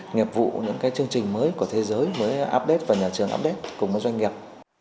nghiệp vụ những cái chương trình mới của thế giới mới update và nhà trường update cùng với doanh nghiệp